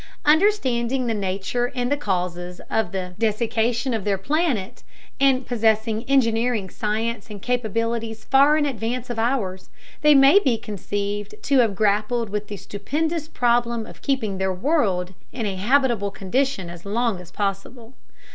Understanding the nature and the causes of the desiccation of their planet, and possessing engineering science and capabilities far in advance of ours, they may be conceived to have grappled with the stupendous problem of keeping their world in a habitable condition as long as possible.